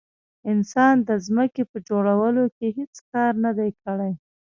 انسان د ځمکې په جوړولو کې هیڅ کار نه دی کړی.